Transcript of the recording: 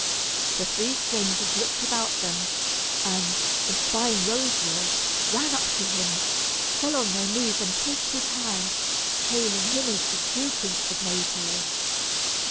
The three strangers looked about them and, espying Roswal, ran up to him, fell on their knees and kissed his hand, hailing him as the true Prince of Naples.